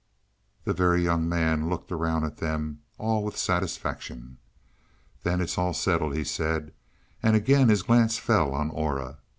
The Very Young Man looked around at them all with satisfaction. "Then it's all settled," he said, and again his glance fell on Aura.